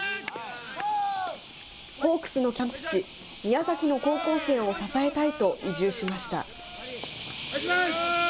ホークスのキャンプ地、宮崎の高校生を支えたいと移住しました。